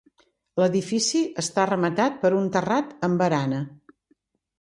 L'edifici està rematat per un terrat amb barana.